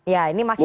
ya ini masih malu